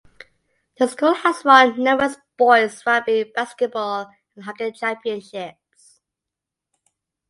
The school has won numerous boys' rugby, basketball and hockey championships.